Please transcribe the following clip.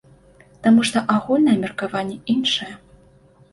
Таму што агульнае меркаванне іншае.